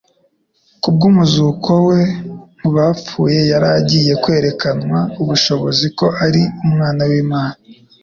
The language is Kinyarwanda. Kubw'umuzuko we mu bapfuye yari agiye «kwerekananwa ubushobozi ko ari Umwana w'Imana.»